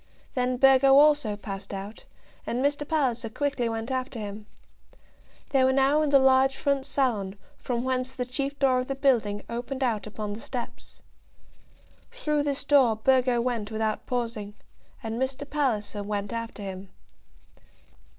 Then Burgo also passed out, and Mr. Palliser quickly went after him. They were now in the large front salon, from whence the chief door of the building opened out upon the steps. Through this door Burgo went without pausing, and Mr. Palliser went after him.